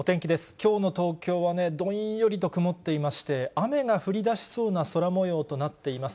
きょうの東京はどんよりと曇っていまして、雨が降りだしそうな空もようとなっています。